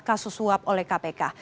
kasus suap oleh kpk